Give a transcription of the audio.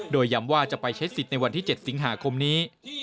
โดยย้ำว่าจะไปใช้สิทธิ์ในวันที่๗สิงหาคมนี้